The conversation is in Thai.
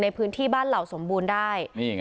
ในพื้นที่บ้านเหล่าสมบูรณ์ได้